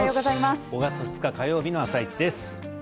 ５月２日火曜日の「あさイチ」です。